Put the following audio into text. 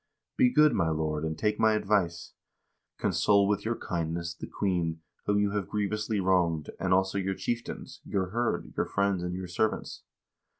Be good, my lord, and take my advice. Console with your kindness the queen, whom you have grievously wronged, and also your chieftains, your hird, your friends, and your servants."